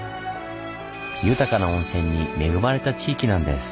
豊かな温泉に恵まれた地域なんです。